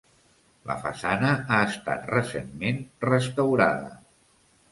La façana ha estat recentment restaurada.